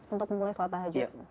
untuk memulai salat tahajud